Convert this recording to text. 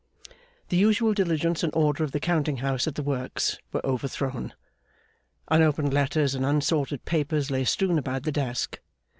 The usual diligence and order of the Counting house at the Works were overthrown. Unopened letters and unsorted papers lay strewn about the desk.